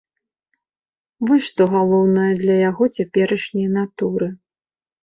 Вось што галоўнае для яго цяперашняй натуры.